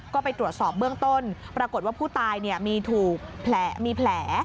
ก็ไปตรวจสอบเบื้องต้นปรากฏว่าผู้ตายมีถูกมีแผล